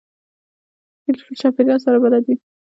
پیلوټ له چاپېریال سره بلد وي.